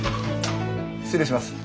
失礼します。